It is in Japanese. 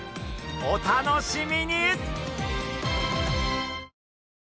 お楽しみに！